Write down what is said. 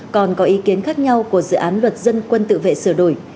còn có ý kiến khác nhau của dự án luật dân quân tự vệ sửa đổi